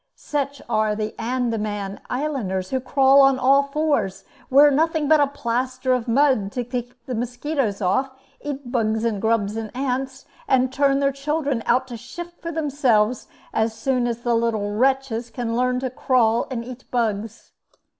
Such are the Andaman Islanders, who crawl on all fours, wear nothing but a plaster of mud to keep the musquitos off, eat bugs, and grubs, and ants, and turn their children out to shift for themselves as soon as the little wretches can learn to crawl and eat bugs.